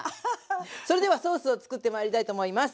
それではソースをつくってまいりたいと思います。